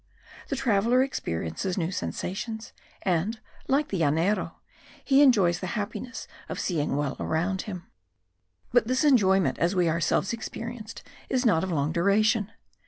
The traveller experiences new sensations; and, like the Llanero, he enjoys the happiness of seeing well around him. But this enjoyment, as we ourselves experienced, is not of long duration.